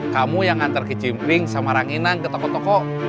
kamu yang ngantar ke jimpling sama ranginang ke toko toko